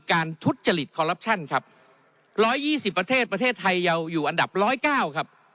การทุศจริตครับร้อยยี่สิบประเทศประเทศไทยยาวอยู่อันดับร้อยเก้าครับ